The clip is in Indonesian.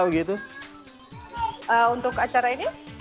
untuk acara ini